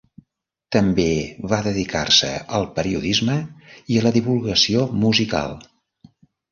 També va dedicar-se al periodisme i a la divulgació musical.